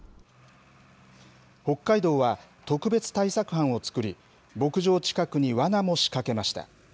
北海道は特別対策班を作り、牧場近くにわなも仕掛けました。